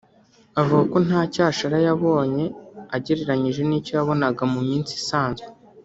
avuga ko nta cyashara yabonye agereranyije n’icyo yabonaga mu minsi isanzwe